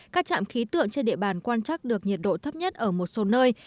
các trạm khí tượng trên địa bàn quan trắc được nhiệt độ thấp nhất ở một số nơi